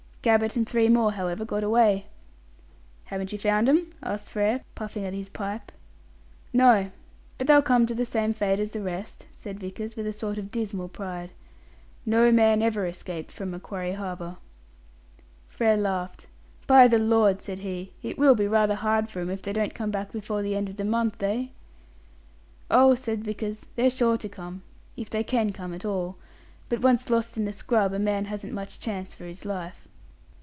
Gabbett and three more, however, got away." "Haven't you found 'em?" asked Frere, puffing at his pipe. "No. But they'll come to the same fate as the rest," said Vickers, with a sort of dismal pride. "No man ever escaped from Macquarie Harbour." Frere laughed. "By the Lord!" said he, "it will be rather hard for 'em if they don't come back before the end of the month, eh?" "Oh," said Vickers, "they're sure to come if they can come at all; but once lost in the scrub, a man hasn't much chance for his life."